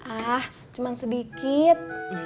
ah cuma sedikit